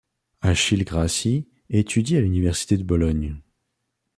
Achille Grassi étudie à l'université de Bologne.